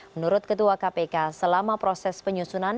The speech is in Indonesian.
menurut ketua kpk selama proses penyusunan